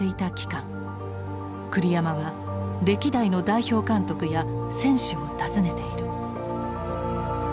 栗山は歴代の代表監督や選手を訪ねている。